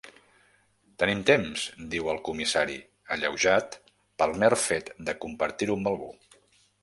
Tenim temps —diu el comissari, alleujat pel mer fet de compartir-ho amb algú—.